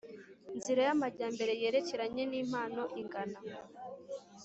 Nzira y Amajyambere yerekeranye n impano ingana